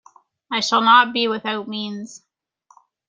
I shall not be without means.